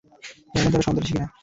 জানি না তারা সন্ত্রাসী কি না।